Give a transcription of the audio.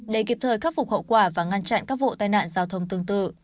để kịp thời khắc phục hậu quả và ngăn chặn các vụ tai nạn giao thông tương tự